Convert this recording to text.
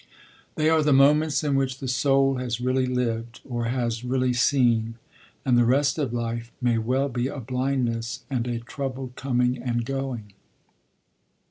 They are the moments in which the soul has really lived, or has really seen; and the rest of life may well be a blindness and a troubled coming and going.